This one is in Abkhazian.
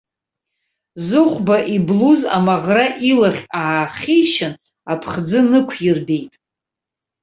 Зыхәба иблуз амаӷра илахь аахьишьын, аԥхӡы нықәирбеит.